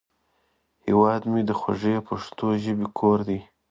هیواد مې د خوږې پښتو ژبې کور دی